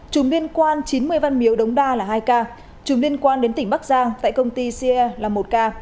chùm liên quan chín mươi văn miếu đống đa là hai ca trùm liên quan đến tỉnh bắc giang tại công ty ce là một ca